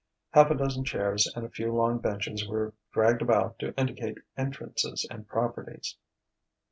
Half a dozen chairs and a few long benches were dragged about to indicate entrances and properties.